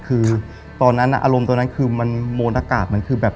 คือตอนนั้นอารมณ์ตอนนั้นคือมันโมนอากาศมันคือแบบ